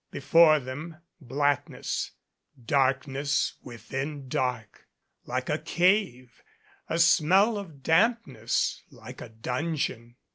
Be fore them, blackness, darkness within dark, like a cave, a smell of dampness like a dungeon.